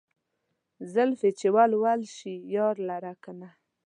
زلفې چې ول ول شي يار لره کنه